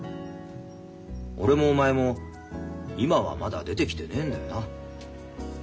俺もお前も今はまだ出てきてねえんだよな。